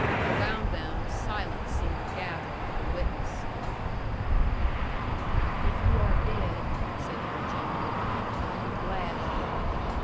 Around them, silence seemed to gather like a witness. "If you are dead," said the Virginian, "I am glad of it."